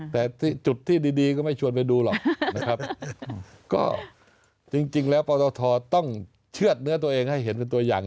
แต่จุดที่ดีก็ไม่ชวนไปดูหรอกนะครับก็จริงแล้วปตทต้องเชื่อดเนื้อตัวเองให้เห็นเป็นตัวอย่าง